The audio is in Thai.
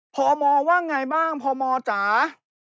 พมว่าไงบ้างพมจ๋า